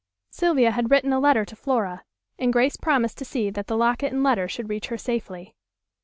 Sylvia had written a letter to Flora, and Grace promised to see that the locket and letter should reach her safely.